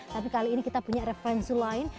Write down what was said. tapi kali ini kita punya referensi lain